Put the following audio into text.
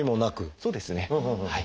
そうですねはい。